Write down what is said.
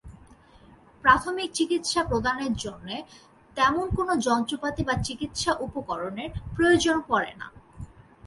প্রাথমিক চিকিৎসা প্রদানের জন্যে তেমন কোন যন্ত্রপাতি বা চিকিৎসা উপকরণের প্রয়োজন পড়ে না।